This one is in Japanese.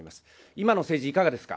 今の政治、いかがですか。